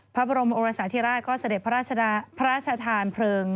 พระบรมฎรสัทธิรธก็สเด็จพระราชธรรมเพิริง